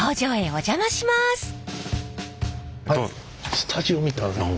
スタジオみたい何か。